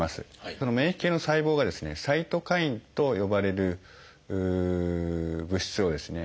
その免疫系の細胞がですね「サイトカイン」と呼ばれる物質をですね